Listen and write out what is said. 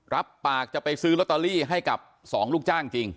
รับปากจะไปซื้อลอตเตอรี่ให้กับ๒ลูกจ้างจริง